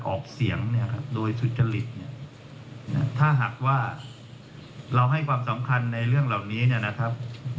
ออกเสียงเนี่ยโดยสุจริตเนี่ยถ้าหากว่าเราให้ความสำคัญในเรื่องเหล่านี้เนี่ยนะครับ